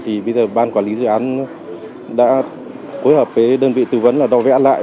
thì bây giờ ban quản lý dự án đã phối hợp với đơn vị tư vấn là đo vẽ lại